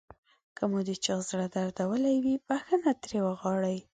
که مو د چا زړه دردولی وي بښنه ترې وغواړئ.